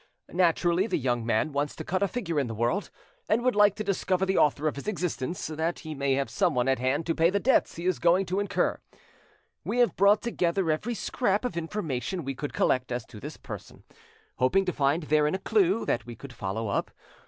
Naturally the young man wants to cut a figure in the world, and would like to discover the author of his existence, that he may have someone at hand to pay the debts he is going to incur. We have brought together every scrap of information we could collect as to this person, hoping to find therein a clue that we could follow up.